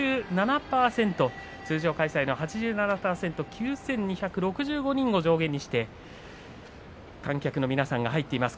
８７％、通常開催の８７％９２６５人の上限にして観客の皆さんが入っています。